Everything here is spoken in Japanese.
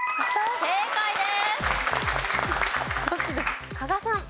正解です。